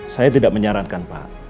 saya tidak menyarankan pak